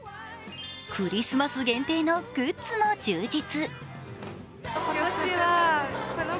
クリスマス限定のグッズも充実。